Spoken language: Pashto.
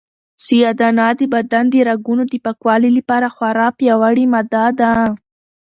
سیاه دانه د بدن د رګونو د پاکوالي لپاره خورا پیاوړې ماده ده.